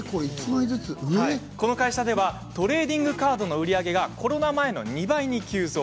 この会社ではトレーディングカードの売り上げがコロナ前の２倍に急増。